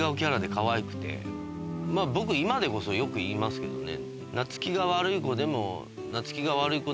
僕今でこそよく言いますけどね。